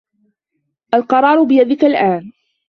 القرار بيدك الآن.